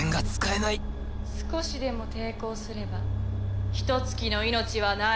少しでも抵抗すればヒトツ鬼の命はない。